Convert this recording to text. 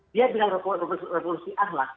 dia bilang revolusi ahlak